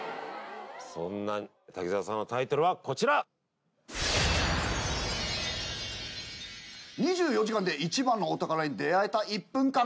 そんな滝沢さんのタイトルはこちら「２４時間で一番のお宝に出会えた１分間」